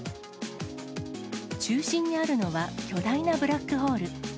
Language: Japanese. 中心にあるのは巨大なブラックホール。